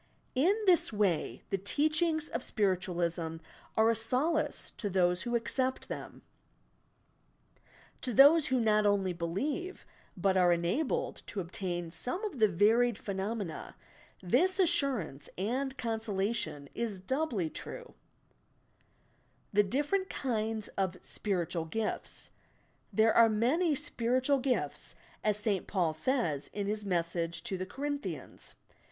In this way, the teachings of Spiritualism are a solace to those who accept them. To those who not only believe, but are enabled to obtain some of the varied phenomena, this assurance and consolation is doubly true, THE DIFFERENT KINDS OP "SPIRITUAL GIFTS" There are many "spiritual gifts," as St. Paul says, in his message to the Corinthians.